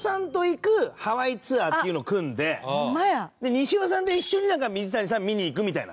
西尾さんと一緒に水谷さんを見に行くみたいな。